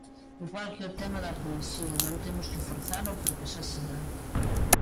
Igual que o tema da poesía: non temos que forzalo porque xa se dá.